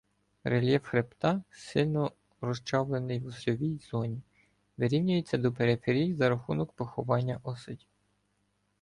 Рельєф хребта, сильно розчленований в осьовій зоні, вирівнюється до периферії за рахунок поховання осадів.